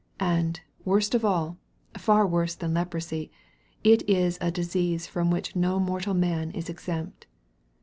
And, worst of all, far worse than leprosy, it is a disease from which no mortal man is exempt.